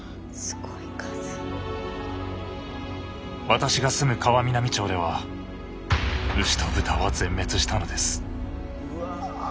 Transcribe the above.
私が住む川南町では牛と豚は全滅したのです。